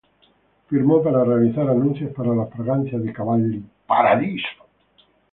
Firmó para realizar anuncios para la fragancia de Cavalli, ‘Paradiso’.